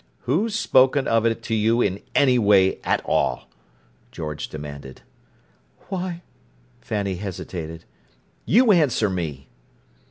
"Who's spoken of it to you in any way at all?" George demanded. "Why—" Fanny hesitated. "You answer me!"